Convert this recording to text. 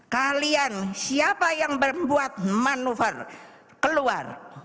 kalian siapa yang membuat manuver keluar